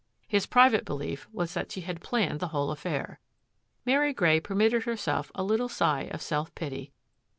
His private belief was that she had planned the whole affair. Mary Grey permitted herself a little sigh of self pity.